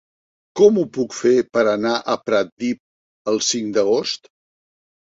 Com ho puc fer per anar a Pratdip el cinc d'agost?